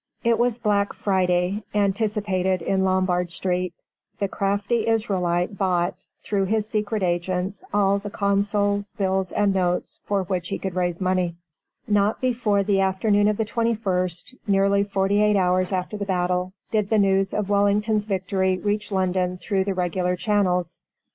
It was 'Black Friday' anticipated in Lombard Street. The crafty Israelite bought, through his secret agents, all the consols, bills, and notes, for which he could raise money. Not before the afternoon of the 21st nearly forty eight hours after the battle did the news of Wellington's victory reach London through the regular channels.